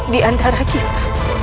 di antara kita